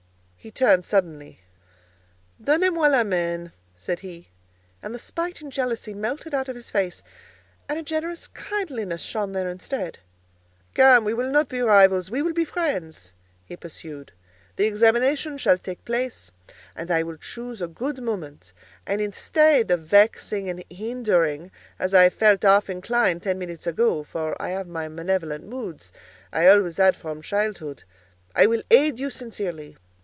He turned suddenly. "Donnez moi la main," said he, and the spite and jealousy melted out of his face, and a generous kindliness shone there instead. "Come, we will not be rivals, we will be friends," he pursued. "The examination shall take place, and I will choose a good moment; and instead of vexing and hindering, as I felt half inclined ten minutes ago—for I have my malevolent moods: I always had from childhood—I will aid you sincerely.